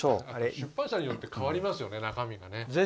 出版社によって変わりますよね、中身がね。